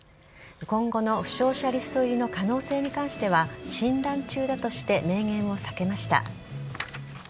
今後の負傷者リスト入りの可能性に関しては診断中だとして明言を避けました。